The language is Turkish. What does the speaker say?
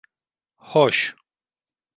Hoş.